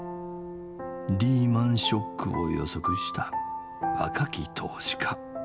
リーマンショックを予測した若き投資家。